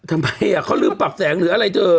ทำไมเขาลืมปรับแสงหรืออะไรเธอ